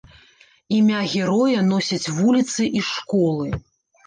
Імя героя носяць вуліцы і школы.